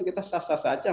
kita sasar saja